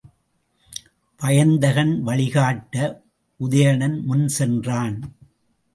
வயந்தகன் வழிகாட்ட உதயணன் முன் சென்றான்.